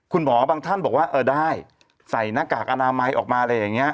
บางท่านบอกว่าเออได้ใส่หน้ากากอนามัยออกมาอะไรอย่างนี้